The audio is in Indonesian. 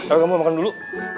eh kamu makan dulu